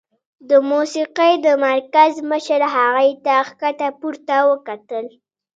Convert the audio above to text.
د موسيقۍ د مرکز مشر هغې ته ښکته پورته وکتل.